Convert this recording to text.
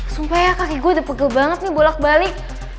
supaya kaki gue udah pegel banget nih bolak balik